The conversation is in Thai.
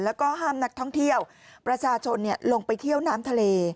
แล้วก็ห้ามนักท่องเที่ยวประชาชนลงไปเที่ยวน้ำทะเล